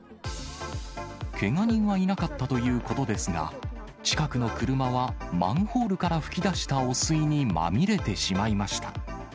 けが人はいなかったということですが、近くの車はマンホールから噴き出した汚水にまみれてしまいました。